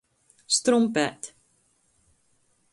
Strumpēt.